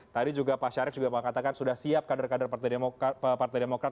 tadi juga pak syarif juga mengatakan sudah siap kader kader partai demokrat